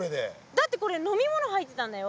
だってこれ飲み物入ってたんだよ。